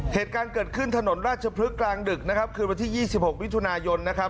เหตุการณ์เกิดขึ้นถนนราชพฤกษกลางดึกนะครับคืนวันที่๒๖มิถุนายนนะครับ